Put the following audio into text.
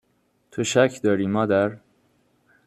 تو شک داری مادر ؟